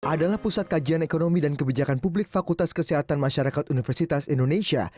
adalah pusat kajian ekonomi dan kebijakan publik fakultas kesehatan masyarakat universitas indonesia